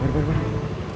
baru baru baru